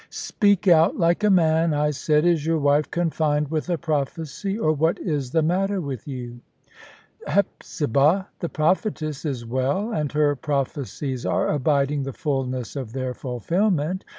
"Speak out, like a man," I said; "is your wife confined with a prophecy, or what is the matter with you?" "Hepzibah, the prophetess, is well; and her prophecies are abiding the fulness of their fulfilment.